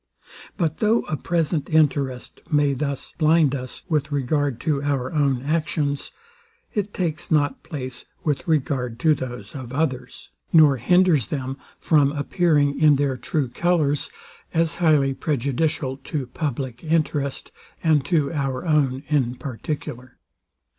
But though a present interest may thus blind us with regard to our own actions, it takes not place with regard to those of others; nor hinders them from appearing in their true colours, as highly prejudicial to public interest, and to our own in particular.